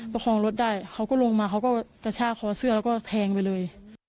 ประคองรถได้เขาก็ลงมาเขาก็กระชากคอเสื้อแล้วก็แทงไปเลย